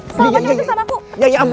kalo macem macem sama aku